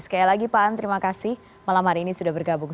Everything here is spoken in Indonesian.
sekali lagi pak an terima kasih malam hari ini sudah bergabung